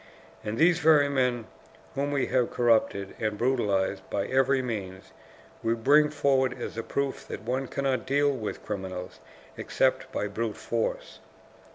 And these very men whom we have corrupted and brutalized by every means, we bring forward as a proof that one cannot deal with criminals except by brute force.